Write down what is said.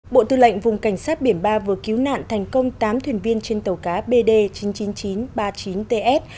bộ tư lệnh vùng cảnh sát biển ba vừa cứu nạn thành công tám thuyền viên trên tàu cá bd chín trăm chín mươi chín ba mươi chín ts